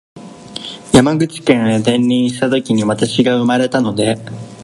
山口県へ転任したときに私が生まれたので